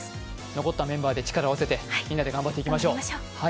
残ったメンバーで力を合わせてみんなで頑張っていきましょう。